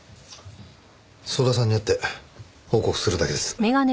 早田さんに会って報告するだけです。